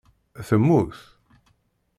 Temmut?